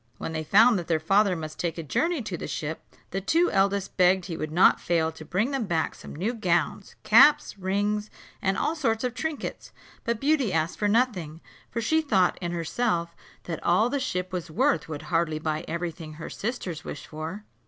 When they found that their father must take a journey to the ship, the two eldest begged he would not fail to bring them back some new gowns, caps, rings, and all sorts of trinkets. But Beauty asked for nothing; for she thought in herself that all the ship was worth would hardly buy every thing her sisters wished for.